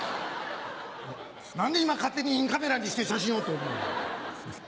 何で今勝手にインカメラにして写真を撮るねん。